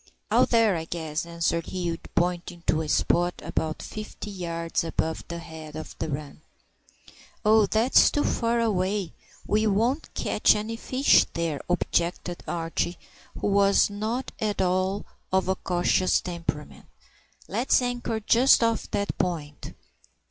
"Out there, I guess," answered Hugh, pointing to a spot about fifty yards above the head of the run. "Oh, that's too far away; we won't catch any fish there," objected Archie, who was not at all of a cautious temperament. "Let's anchor just off that point."